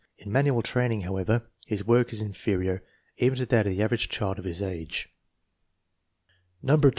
In manual training, however, his work is inferior even to that of the average child of his age. No.